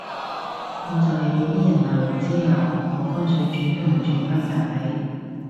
我就係畀啲人鬧完之後，我乾脆轉都唔轉返簡體